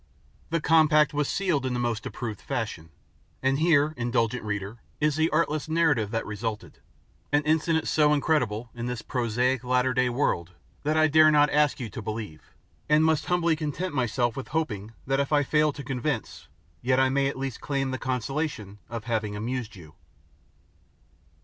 The compact was sealed in the most approved fashion; and here, indulgent reader, is the artless narrative that resulted an incident so incredible in this prosaic latter day world that I dare not ask you to believe, and must humbly content myself with hoping that if I fail to convince yet I may at least claim the consolation of having amused you.